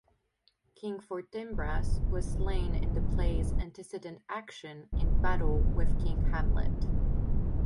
King Fortinbras was slain in the play's antecedent action in battle with King Hamlet.